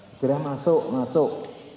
segera masuk masuk